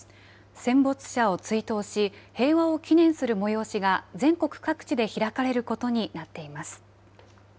戦没者を追悼し平和を祈念する催しが全国各地で開かれることになっています。